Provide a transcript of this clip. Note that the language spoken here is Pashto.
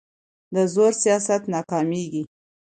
د زور سیاست ناکامېږي